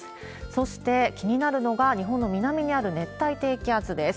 そして、気になるのが、日本の南にある熱帯低気圧です。